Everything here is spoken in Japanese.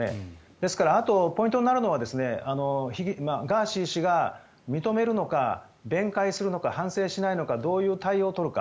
ですからあとポイントになるのはガーシー氏が認めるのか弁解するのか反省しないのかどういう対応を取るか。